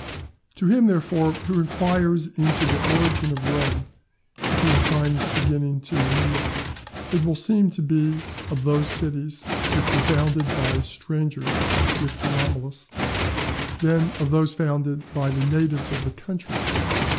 To him, therefore, who inquires into the origin of Rome, if he assign its beginning to Æneas, it will seem to be of those cities which were founded by strangers if to Romulus, then of those founded by the natives of the country.